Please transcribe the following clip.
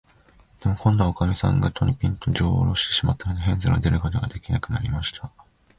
でも、こんどは、おかみさんが戸に、ぴんと、じょうをおろしてしまったので、ヘンゼルは出ることができなくなりました。